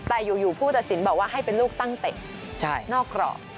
แต่อยู่ผู้ตัดสินบอกว่าให้เป็นลูกตั้งเตะนอกกรอบ